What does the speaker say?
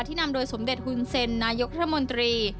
ที่นำโดยสมเด็จหุ้นเซลล์นายกรัฐมนตรี